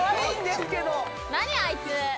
何あいつ。